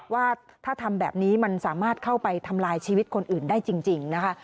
ว่าถ้าทำแบบนี้มันสามารถเข้าไปทำลายชีวิตคนอื่นได้จริงนะคะ